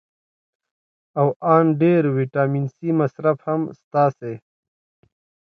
او ان ډېر ویټامین سي مصرف هم ستاسې